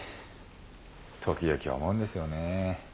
時々思うんですよね。